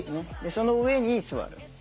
その上に座る。